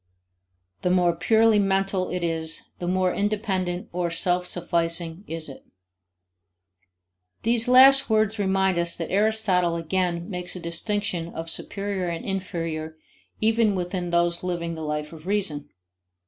The more purely mental it is, the more independent or self sufficing is it. These last words remind us that Aristotle again makes a distinction of superior and inferior even within those living the life of reason.